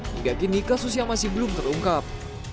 hingga kini kasus yang masih belum terungkap